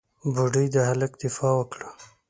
بوډۍ د هلک دفاع وکړه.